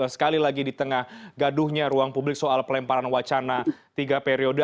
sekali lagi di tengah gaduhnya ruang publik soal pelemparan wacana tiga periode